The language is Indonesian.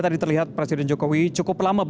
dan akan ada perubahan berikutnya